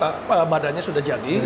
ya di pabrik yang sudah diperbuat